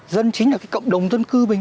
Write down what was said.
dân chính là cộng đồng dân cư bình